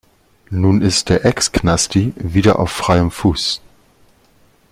Nun ist der Ex-Knasti wieder auf freiem Fuß.